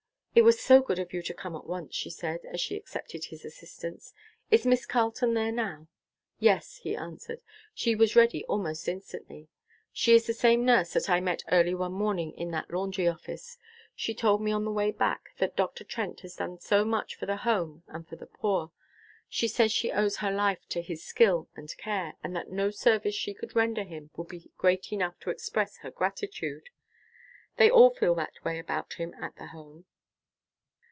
"It was so good of you to come at once," she said, as she accepted his assistance. "Is Miss Carleton there now?" "Yes," he answered, "she was ready almost instantly. She is the same nurse that I met early one morning in that laundry office. She told me on the way back that Dr. Trent has done so much for the Home and for the poor. She says she owes her own life to his skill and care, and that no service she could render him would be great enough to express her gratitude. They all feel that way about him at the Home."